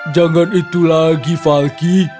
jangan itu lagi falky